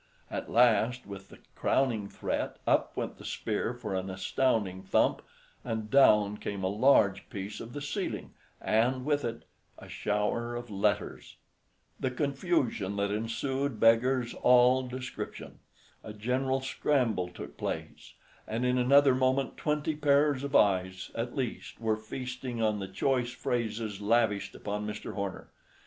At last, with the crowning threat, up went the spear for an astounding thump, and down came a large piece of the ceiling, and with it—a shower of letters. The confusion that ensued beggars all description. A general scramble took place, and in another moment twenty pairs of eyes, at least, were feasting on the choice phrases lavished upon Mr. Horner.